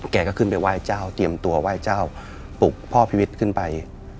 แกก็ขึ้นไปไหว้เจ้าเตรียมตัวไหว้เจ้าปลุกพ่อพิวิทย์ขึ้นไป